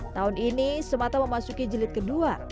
tahun ini semata memasuki jelit kedua